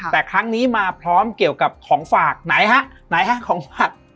แต่ครั้งนี้มาพร้อมเกี่ยวกับของฝากไหนฮะไหนฮะของฝาก